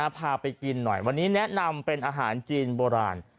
พาไปกินหน่อยวันนี้แนะนำเป็นอาหารจีนโบราณ